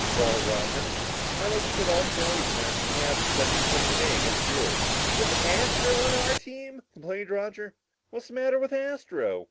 drawled Roger. "I'd like to bet all the galley demerits we have in 77 K against yours." "With Astro on our team?" complained Roger. "What's the matter with Astro?"